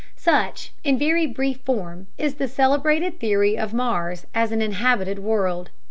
Such, in very brief form, is the celebrated theory of Mars as an inhabited world.